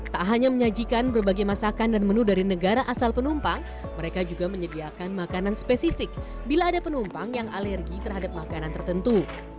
tak hanya menyajikan berbagai masakan dan menu dari negara asal penumpang mereka juga menyediakan makanan spesifik bila ada penumpang yang alergi terhadap makanan tertentu